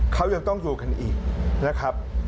เขายังต้องอยู่กันอีกนะครับ